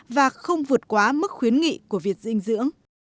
và không vượt quá mức khuyến nghị của việc dinh dưỡng